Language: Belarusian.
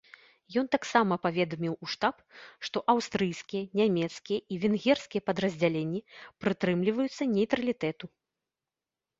Ён таксама паведаміў у штаб, што аўстрыйскія, нямецкія і венгерскія падраздзяленні прытрымліваюцца нейтралітэту.